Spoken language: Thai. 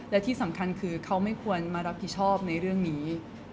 และที่สำคัญคือเขาไม่ควรมารับผิดชอบในเรื่องนี้